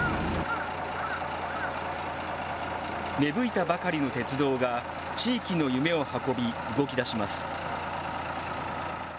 芽吹いたばかりの鉄道が地域の夢を運び動きだします。